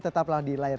tetaplah di layar